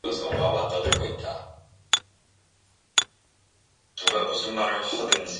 서양 여자처럼 연방 감탄사를 늘어놓았다.